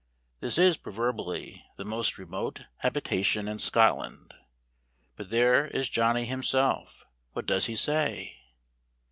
This is proverbially the most remote habita ENGLAND. 9 lion in Scotland. But there is Johnny himself; what does he say